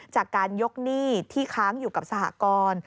จากการยกหนี้ที่ค้างอยู่กับสหกร